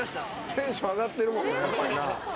テンション上がってるもんなやっぱりな。